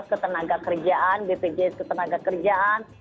ketenaga kerjaan bpjs ketenaga kerjaan